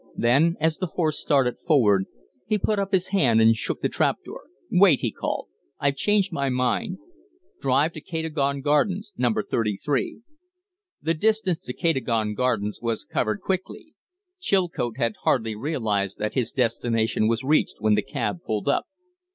Then, as the horse started forward, he put up his hand and shook the trap door. "Wait!" he called. "I've changed my mind. Drive to Cadogan Gardens No. 33." The distance to Cadogan Gardens was covered quickly. Chilcote had hardly realized that his destination was reached when the cab pulled up.